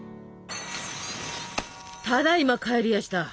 ただいま帰りやした。